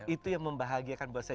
itu yang membahagiakan buat saya